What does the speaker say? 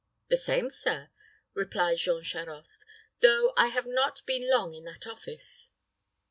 "The same, sir," replied Jean Charost; "though I have not been long in that office."